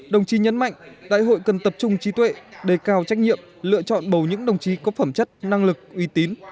đồng chí nhấn mạnh đại hội cần tập trung trí tuệ đề cao trách nhiệm lựa chọn bầu những đồng chí có phẩm chất năng lực uy tín